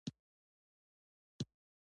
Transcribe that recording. د نفتالینو ټېکلې د کویه ضد دوا په حیث کاروي.